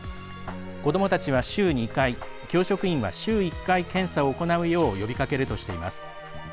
子どもたちは週２回教職員は週１回検査を行うよう呼びかけるとしています。